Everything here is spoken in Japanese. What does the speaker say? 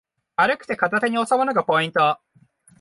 軽くて片手におさまるのがポイント